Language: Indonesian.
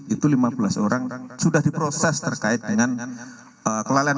itu lima belas orang sudah diproses terkait dengan kelalaian